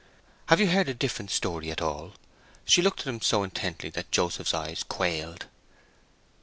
"Have you heard a different story at all?" She looked at him so intently that Joseph's eyes quailed.